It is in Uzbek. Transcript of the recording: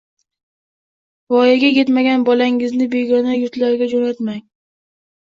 Voyaga yetmagan bolangizni begona yurtlarga jo‘natmang